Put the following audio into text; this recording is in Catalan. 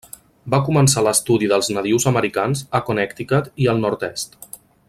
Va començar l'estudi dels nadius americans a Connecticut i al nord-est.